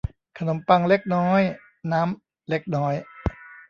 ขนมปังเล็กน้อยน้ำเล็กน้อย